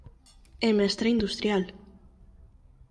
É mestre industrial.